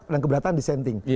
dan keberatan disenting